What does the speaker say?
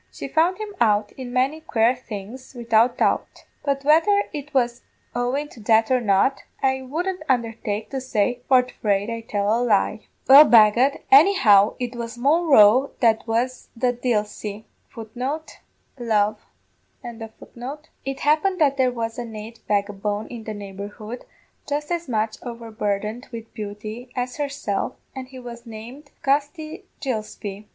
She found him out in many quare things, widout doubt; but whether it was owin' to that or not, I wouldn't undertake to say for fraid I'd tell a lie. "Well, begad, anyhow it was Moll Roe that was the dilsy. It happened that there was a nate vagabone in the neighbourhood, just as much overburdened wid beauty as herself, and he was named Gusty Gillespie.